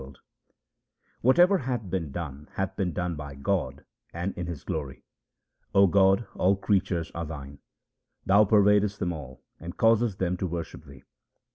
HYMNS OF GURU RAM DAS 293 Whatever hath been done hath been done by God and is His glory. O God, all creatures are Thine ; Thou pervadest them all, and causest them to worship Thee.